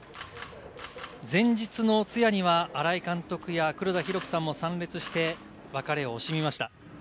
前日の通夜には新井監督や黒田博樹さんも参列して、別れを惜しみました。